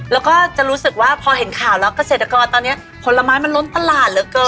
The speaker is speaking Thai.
แล้วก็จะรู้สึกว่าพอเห็นข่าวแล้วเกษตรกรตอนนี้ผลไม้มันล้นตลาดเหลือเกิน